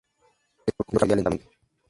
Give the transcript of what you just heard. El trabajo procedía lentamente.